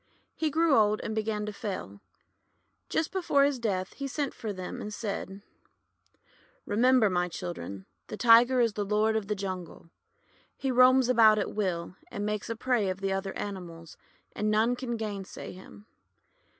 He grew old and began to fail; so .just before his death he sent for them, and said: — 184 THE WONDER GARDEN "Remember, my children, the Tiger is the lord of the jungle. He roams about at will, and makes a prey of the other animals, and none can gainsay him.